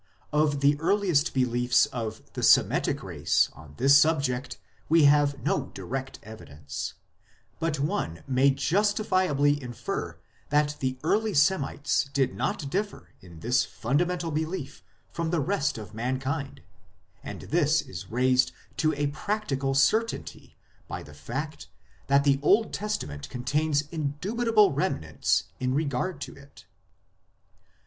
Of the earliest beliefs of the Semitic race on this subject we have no direct evidence ; but one may justifi ably infer that the early Semites did not differ in this fundamental belief from the rest of mankind ; and this is raised to a practical certainty by the fact that the Old Testament contains indubitable remnants in regard to it.